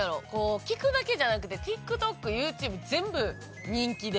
聴くだけじゃなくてＴｉｋＴｏｋＹｏｕＴｕｂｅ全部人気で。